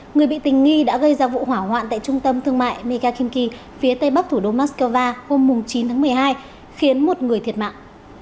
người bị tình nghi đã gây ra vụ hỏa hoạn tại trung tâm thương mại megakinki phía tây bắc thủ đô moscow hôm chín tháng một mươi hai khiến một người thiệt mạng